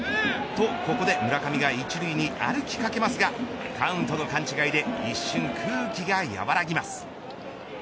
と、ここで村上が１塁に歩きかけますがカウントの勘違いで一瞬、空気が和らぎます。